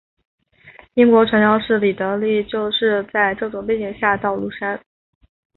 英国传教士李德立就是在这种背景下来到庐山。